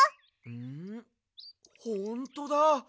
んほんとだ。